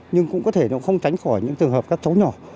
nhưng cũng có thể không tránh khỏi những trường hợp các cháu nhỏ